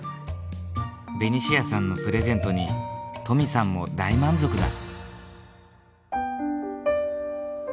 ベニシアさんのプレゼントに登美さんも大満足だ。